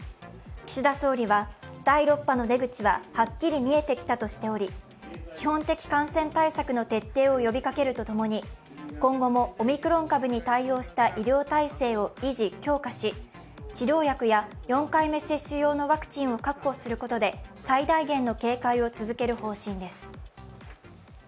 岸田総理は、第６波の出口ははっきり見えてきたとしており基本的感染対策の徹底を呼びかけるとともに今後もオミクロン株に対応した医療体制を維持し治療薬や４回目接種用のワクチンを確保することで、最大限の警戒を続ける方針です。